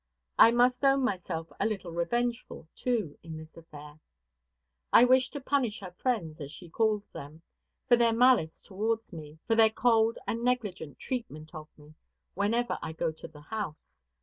I must own myself a little revengeful, too, in this affair. I wish to punish her friends, as she calls them, for their malice towards me, for their cold and negligent treatment of me whenever I go to the house.